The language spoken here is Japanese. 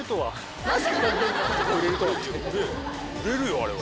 売れるよあれは。